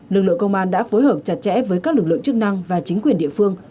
lực lượng công an đã phối hợp chặt chẽ với các lực lượng chức năng và chính quyền địa phương